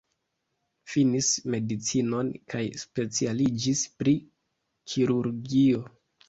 Finis medicinon kaj specialiĝis pri kirurgio.